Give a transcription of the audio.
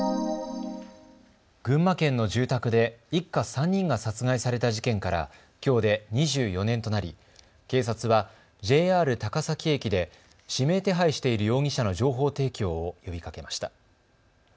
群馬県の住宅で一家３人が殺害された事件からきょうで２４年となり警察はＪＲ高崎駅で指名手配している容疑者の情報提供を呼びかけました。